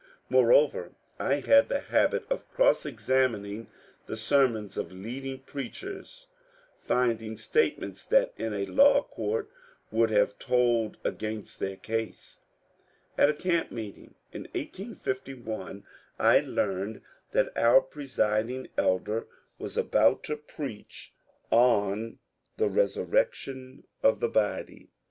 Moreover, I had the habit of cross examining the sermons of leading preachers, finding statements that in a law court would have told against their case. At a camp meeting in 1851 1 learned that our presiding elder was about to preach THE FAMOUS GAINES CASE 99 on the resurrection of the body.